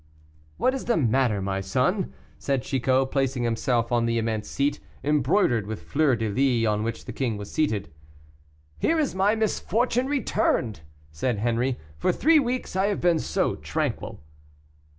"What is the matter, my son?" said Chicot, placing himself on the immense seat, embroidered with fleur de lis, on which the king was seated. "Here is my misfortune returned," said Henri; "for three weeks I have been so tranquil."